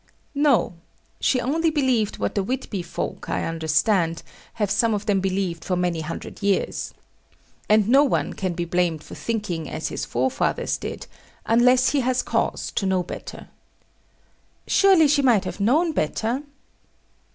No. She only believed what the Whitby folk, I understand, have some of them believed for many hundred years. And no one can be blamed for thinking as his forefathers did, unless he has cause to know better. Surely she might have known better?